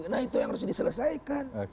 nah itu yang harus diselesaikan